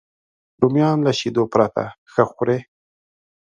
رومیان له شیدو پرته ښه خوري